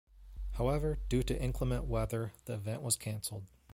However, due to inclement weather, the event was cancelled.